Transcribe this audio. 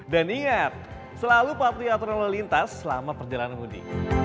dan ingat selalu patuhi aturan lalu lintas selama perjalanan mudi